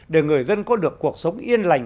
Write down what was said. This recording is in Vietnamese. để người dân có được cuộc sống yên lành